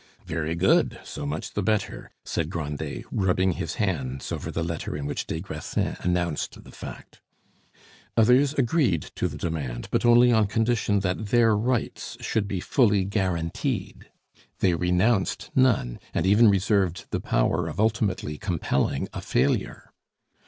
"Very good; so much the better," said Grandet, rubbing his hands over the letter in which des Grassins announced the fact. Others agreed to the demand, but only on condition that their rights should be fully guaranteed; they renounced none, and even reserved the power of ultimately compelling a failure.